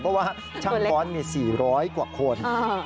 เพราะว่าช่างฟ้อนมี๔๐๐กว่าคน